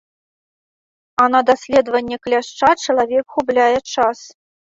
А на даследаванне кляшча чалавек губляе час.